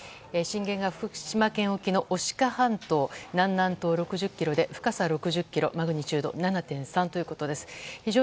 震源が福島県沖の牡鹿半島南南東の６０ｋｍで深さは６０ｋｍマグニチュード７．３ということです。